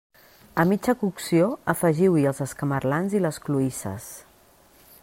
A mitja cocció afegiu-hi els escamarlans i les cloïsses.